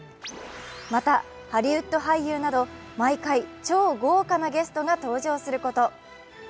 また、ハリウッド俳優など毎回超豪華なゲストが登場すること。